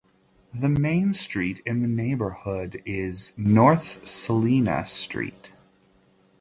The main street in the neighborhood is North Salina Street.